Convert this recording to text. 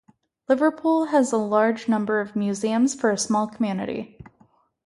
Liverpool has a large number of museums for a small community.